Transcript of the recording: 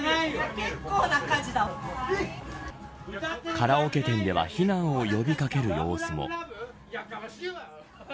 カラオケ店では避難を呼び掛ける様子も。